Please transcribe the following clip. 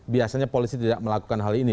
biasanya polisi tidak melakukan hal ini